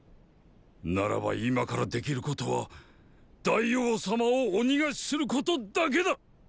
ならば今からできることは大王様をお逃がしすることだけだ！